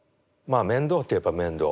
まあ面倒といえば面倒。